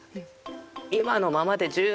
「今のままで十分！